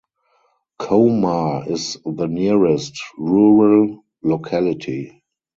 Komar is the nearest rural locality.